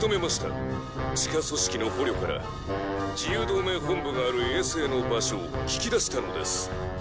「地下組織の捕虜から自由同盟本部がある衛星の場所を聞き出したのです」